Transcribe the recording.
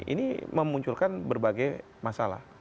ini memunculkan berbagai masalah